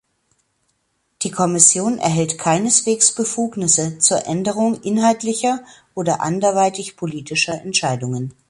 Die Kommission erhält keineswegs Befugnisse zur Änderung inhaltlicher oder anderweitig politischer Entscheidungen.